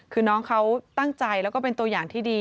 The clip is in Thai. คือน้องเขาตั้งใจแล้วก็เป็นตัวอย่างที่ดี